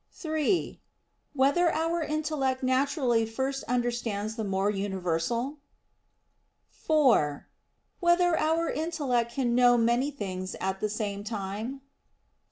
(3) Whether our intellect naturally first understands the more universal? (4) Whether our intellect can know many things at the same time?